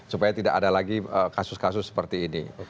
supaya tidak ada lagi kasus kasus seperti ini